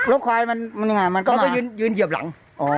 ลมหวายมันมันยิ่งเหยียบหลัง